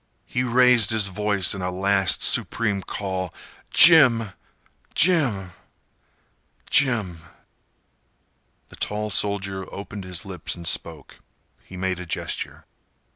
He raised his voice in a last supreme call. "Jim—Jim—Jim—" The tall soldier opened his lips and spoke. He made a gesture.